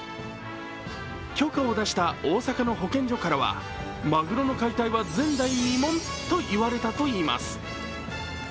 許可を出した大阪の保健所からはマグロの解体は前代未聞と言われたといいます。